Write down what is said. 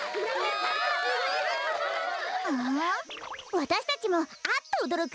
わたしたちもあっとおどろく